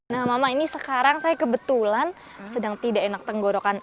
nah mama ini sekarang saya kebetulan sedang tidak enak tenggorokan